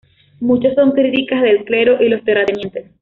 Muchos son críticas del clero y los terratenientes.